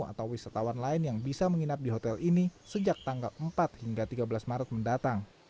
atau wisatawan lain yang bisa menginap di hotel ini sejak tanggal empat hingga tiga belas maret mendatang